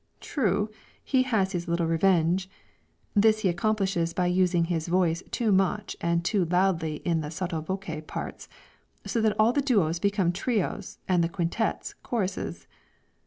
True, he has his little revenge. This he accomplishes by using his voice too much and too loudly in the sotto voce parts, so that all the duos become trios and the quintettes, choruses.